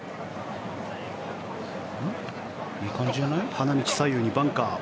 花道左右にバンカー。